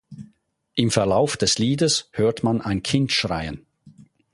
Im Verlauf des Liedes hört man ein Kind schreien.